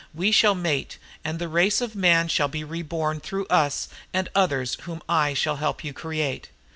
We shall mate and the race of Man shall be reborn through us and others whom I shall help you create."